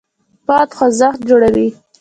باد خوځښت جوړوي.